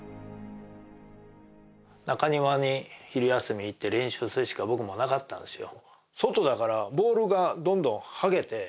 中庭に昼休み行って練習するしか僕もなかったんですよ。